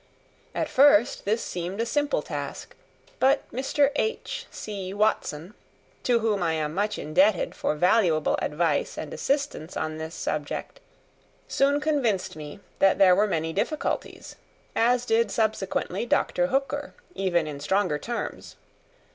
At first this seemed a simple task; but Mr. H.C. Watson, to whom I am much indebted for valuable advice and assistance on this subject, soon convinced me that there were many difficulties, as did subsequently Dr. Hooker, even in stronger terms.